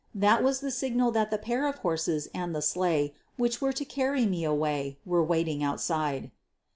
That was the signal that the pair of horses and the sleigh which were to carry me away were waiting outside.